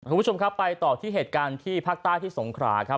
คุณผู้ชมครับไปต่อที่เหตุการณ์ที่ภาคใต้ที่สงขราครับ